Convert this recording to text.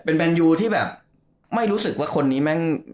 เป็นแมนยูที่แบบไม่รู้สึกว่าคนนี้แม่ง